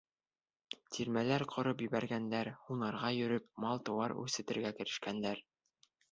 Тирмәләр ҡороп ебәргәндәр, һунарға йөрөп, мал-тыуар үрсетергә керешкәндәр.